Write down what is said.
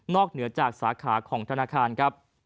เหนือจากสาขาของธนาคารครับ